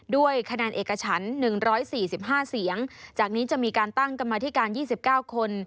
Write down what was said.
ด้วยคะแนนเอกฉัน๑๔๕เสียงจากนี้จะมีการตั้งกรรมธิการ๒๙คน